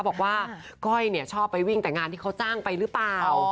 ก้อยชอบไปวิ่งแต่งานที่เขาจ้างไปหรือเปล่า